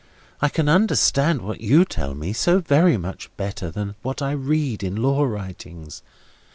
I can understand what you tell me, so very much better than what I read in law writings.